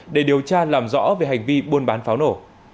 để điều tra làm rõ về hành vi buôn bán pháo nổ